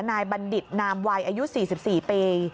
บัณฑิตนามวัยอายุ๔๔ปี